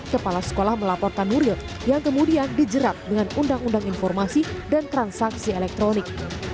kepala sekolah melaporkan nuril yang kemudian dijerat dengan undang undang informasi dan transaksi elektronik